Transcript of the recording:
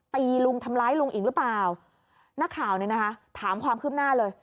ตีลุงทำร้ายลุงอีกหรือเปล่านักข่าวเนี่ยนะคะถามความคืบหน้าเลย